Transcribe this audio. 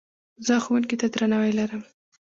زه ښوونکي ته درناوی لرم.